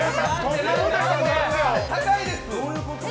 高いです！